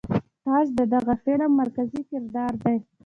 تاج د دغه فلم مرکزي کردار دے.